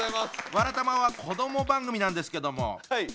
「わらたま」は子ども番組なんですけどもどうですか？